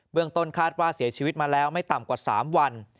ต้นคาดว่าเสียชีวิตมาแล้วไม่ต่ำกว่า๓วัน